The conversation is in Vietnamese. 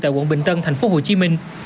tại quận bình tân thành phố hồ chí minh